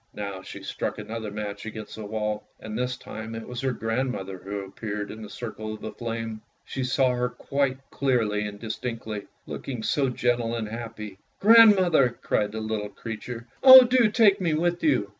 Now she struck another match against the wall, and this time it was her grandmother who appeared in the circle of flame. She saw her quite clearly and distinctly, looking so gentle and happy. " Grandmother! " cried the little creature. " Oh, do take me with you!